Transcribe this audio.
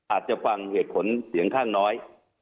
อาจจะฟังเหตุผลเสียงข้างน้อย